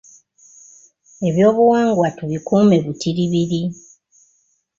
Ebyobuwangwa tubikuume butiribiri.